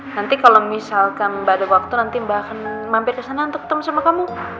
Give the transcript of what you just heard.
nanti kalau misalkan mbak ada waktu nanti mbak akan mampir kesana untuk ketemu sama kamu